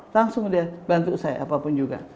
langsung dia bantu saya apapun juga